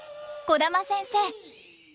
児玉先生。